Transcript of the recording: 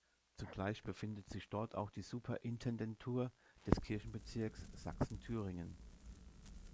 Zugleich befindet sich dort auch die Superintendentur des Kirchenbezirks Sachsen-Thüringen.